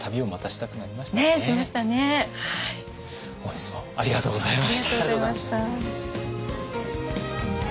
本日もありがとうございました。